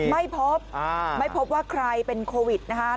ไม่พบไม่พบว่าใครเป็นโควิดนะคะ